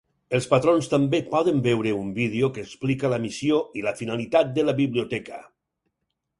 Els patrons també poden veure un vídeo que explica la missió i la finalitat de la biblioteca.